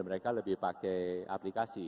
mereka lebih pakai aplikasi